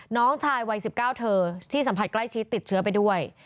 น้องชายวัย๑๙เธอที่สัมผัสใกล้ชิดติดเชื้อไปด้วย